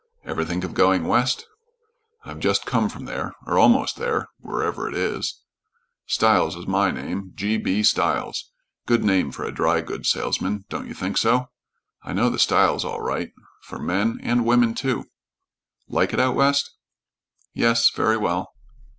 "Ever think of going west?" "I've just come from there or almost there whereever it is." "Stiles is my name G. B. Stiles. Good name for a dry goods salesman, don't you think so? I know the styles all right, for men, and women too. Like it out west?" "Yes. Very well."